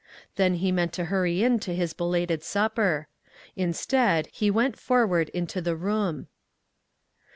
Then he meant to hurry in to his belated supper. Instead, he went' for ward into the room.